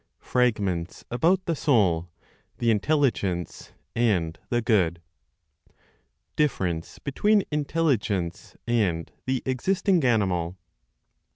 Fragments About the Soul, the Intelligence, and the Good. DIFFERENCE BETWEEN INTELLIGENCE AND THE EXISTING ANIMAL.